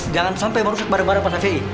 jangan sampai merusak bareng bareng pada fi